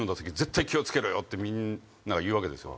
みんなが言うわけですよ。